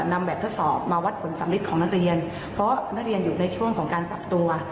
นำแบบทดสอบมาวัดผลสำลิดของนักเรียนเพราะนักเรียนอยู่ในช่วงของการปรับตัว